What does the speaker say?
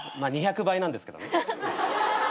２００倍なんですけどね。